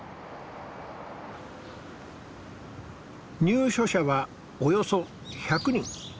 入所者はおよそ１００人。